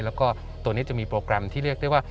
แล้วก็ตัวนี้จะมีโปรแกรมที่เรียกได้ว่า